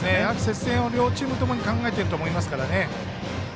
接戦を両チームともに考えていると思いますから。